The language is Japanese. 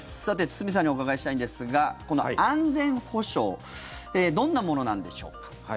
堤さんにお伺いしたいんですがこの安全保障どんなものなんでしょうか。